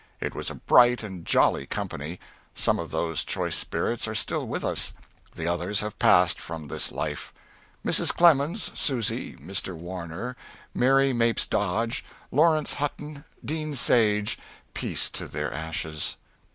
It was a bright and jolly company. Some of those choice spirits are still with us; the others have passed from this life: Mrs. Clemens, Susy, Mr. Warner, Mary Mapes Dodge, Laurence Hutton, Dean Sage peace to their ashes!